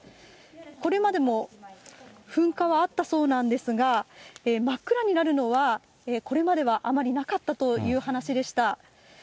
これまでも噴火はあったそうなんですが、真っ暗になるのはこれまではあまりなかったという話でした。